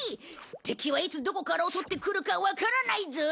敵はいつどこから襲ってくるかわからないぞ。